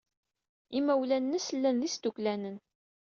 Imawlan-nnes llan d isduklanen.